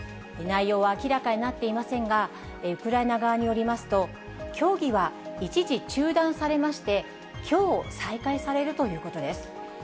内容は明らかになっていませんが、ウクライナ側によりますと、協議は一時中断されまして、きょう再開されるということです。